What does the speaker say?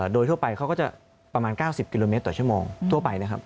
โดยทั่วไปเขาก็จะประมาณ๙๐กิโลเมตรต่อชั่วโมงทั่วไปนะครับ